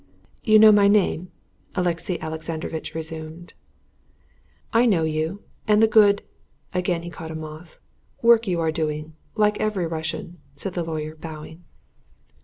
"You know my name?" Alexey Alexandrovitch resumed. "I know you and the good"—again he caught a moth—"work you are doing, like every Russian," said the lawyer, bowing.